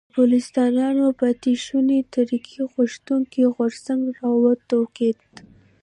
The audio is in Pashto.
د پوپلستانو پاتې شونو ترقي غوښتونکی غورځنګ را وټوکېد.